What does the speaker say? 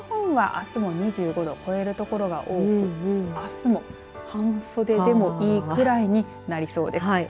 そして、西日本あすも２５度にいく所が多くあすも半袖でもいいくらいになりそうです。